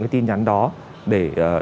cái tin nhắn đó để